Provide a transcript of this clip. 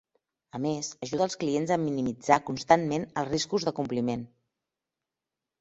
A més, ajuda els clients a minimitzar constantment els riscos de compliment.